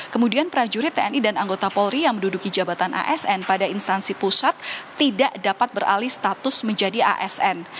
kemudian prajurit tni dan anggota polri yang menduduki jabatan asn pada instansi pusat tidak dapat beralih status menjadi asn